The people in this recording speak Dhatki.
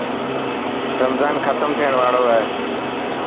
رمضان ختم ٿيڻ واڙو هي.